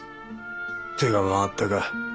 手が回ったか。